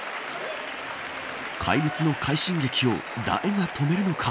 怪物の快進撃を誰が止めるのか。